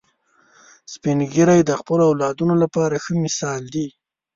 سپین ږیری د خپلو اولادونو لپاره ښه مثال دي